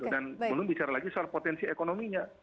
dan belum bicara lagi soal potensi ekonominya